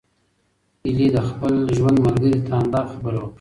ایلي د خپل ژوند ملګری ته همدا خبره وکړه.